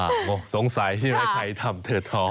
อ่าสงสัยที่มันใครทำเธอท้อง